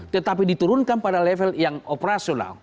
tetapi diturunkan pada level yang operasional